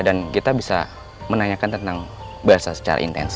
dan kita bisa menanyakan tentang belasang secara intens